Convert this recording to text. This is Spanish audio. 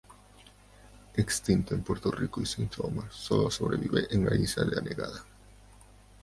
Extinta en Puerto Rico y Saint Thomas, solo sobrevive en la isla de Anegada.